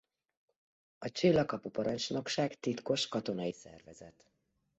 A Csillagkapu Parancsnokság titkos katonai szervezet.